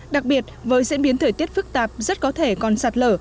đặc biệt với diễn biến thời tiết phức tạp rất có thể còn sạt lở